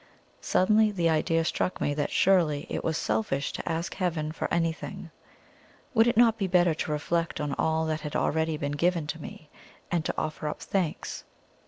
Suddenly the idea struck me that surely it was selfish to ask Heaven for anything; would it not be better to reflect on all that had already been given to me, and to offer up thanks?